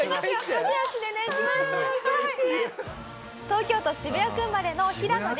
東京都渋谷区生まれの平野レミさん。